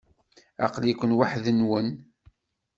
Aql-iken weḥd-nwen?